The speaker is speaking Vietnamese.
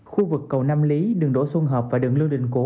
khu vực cầu nam lý đường đổ xuân hợp và đường lương đình cổ